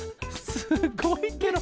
すごいケロ！